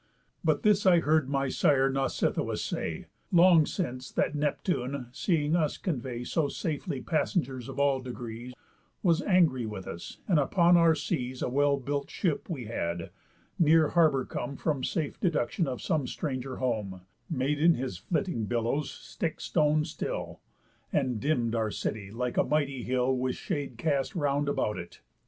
But this I heard my sire Nausithous say. Long since, that Neptune, seeing us convey So safely passengers of all degrees, Was angry with us; and upon our seas A well built ship we had, near harbour come From safe deduction of some stranger home, Made in his flitting billows stick stone still; And dimm'd our city, like a mighty hill With shade cast round about it.